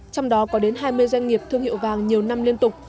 trong đó có đến hai mươi doanh nghiệp thương hiệu vàng nhiều năm liên tục